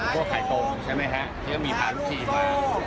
สมมุติันกลับก่อนมีพารุทีมา